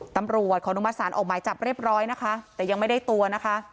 ตำรวจขออนุมัติศาลออกหมายจับเรียบร้อยนะคะแต่ยังไม่ได้ตัวนะคะ